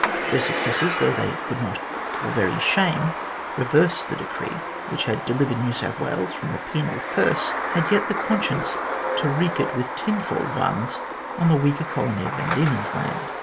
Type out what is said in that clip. Their successors, though they could not for very shame reverse the decree which had delivered New South Wales from the penal curse, had yet the conscience to wreak it with tenfold violence on the weaker colony of Van Diemen's Land.